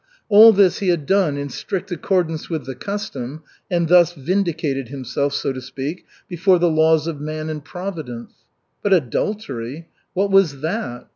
All this he had done in strict accordance with the custom and thus vindicated himself, so to speak, before the laws of man and Providence. But adultery what was that?